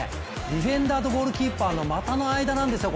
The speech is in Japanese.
ディフェンダーと、ゴールキーパーの股の間なんですよ。